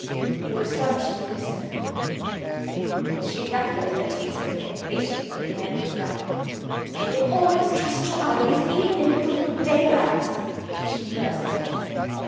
"You astonish me, Lucilla!" She rattled her teaspoon impatiently in her empty cup. "Can you always trust your eyes, even in broad daylight?" she burst out.